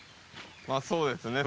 まあそうですね。